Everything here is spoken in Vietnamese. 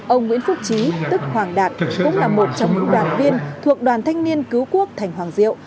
ông nguyễn phúc trí tức hoàng đạt cũng là một trong những đoàn viên thuộc đoàn thanh niên cứu quốc thành hoàng diệu